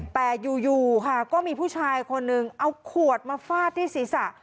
แต่อยู่ค่ะก็มีผู้ชายคนนึงเอาขวดมาฟาดที่ศีรษะ